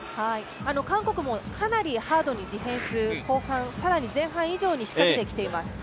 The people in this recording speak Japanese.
韓国もかなりハードにディフェンス、後半更に前半以上に仕掛けてきています。